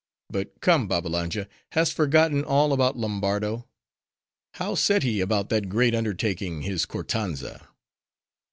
But come, Babbalanja, hast forgotten all about Lombardo? How set he about that great undertaking, his Kortanza?